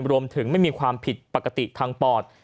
รวมถึงไม่มีความผิดปกติทางปอด